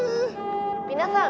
「皆さん！